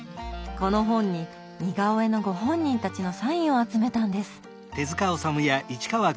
この本に似顔絵のご本人たちのサインを集めたんです。